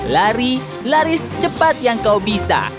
lari lari secepat yang kau bisa